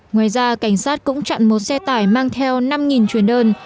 ngoài ra cảnh sát cũng chặn một xe tải mang theo năm chuyến đơn